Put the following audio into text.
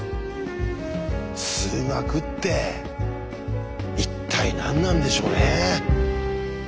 数学って一体何なんでしょうね？